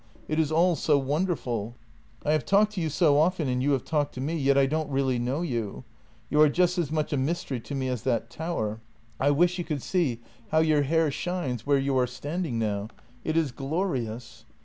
It is all so wonderful! " I have talked to you so often and you have talked to me; yet I don't really know you. You are just as much a mystery to me as that tower. — I wish you could see how your hair shines where you are standing now. It is glorious.